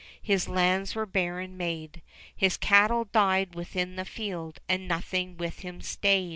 His lands were barren made, His cattle died within the field, And nothing with him stayed.